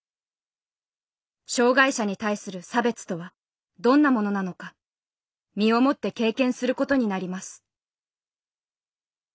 障害者に対する差別とはどんなものなのか身をもって経験することになります。